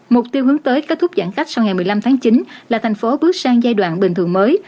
mục tiêu hướng tới kết thúc giãn cách sau ngày một mươi năm tháng chín là thành phố bước sang giai đoạn bình thường mới